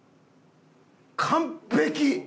完璧！